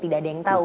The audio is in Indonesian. tidak ada yang tahu